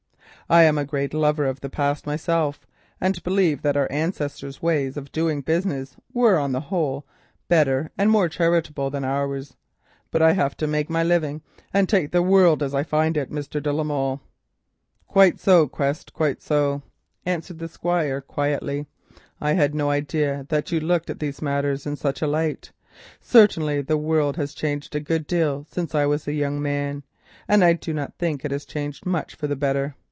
I am a great lover of the past myself, and believe that our ancestors' ways of doing business were, on the whole, better and more charitable than ours, but I have to make my living and take the world as I find it, Mr. de la Molle." "Quite so, Quest; quite so," answered the Squire quietly. "I had no idea that you looked at these matters in such a light. Certainly the world has changed a good deal since I was a young man, and I do not think it has changed much for the better.